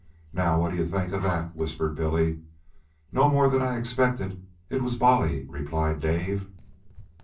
"Now what do you think of that?" whispered Billy. "No more than I expected. It was Bolly," replied Dave.